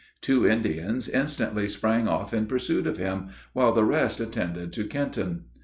Two Indians instantly sprang off in pursuit of him, while the rest attended to Kenton.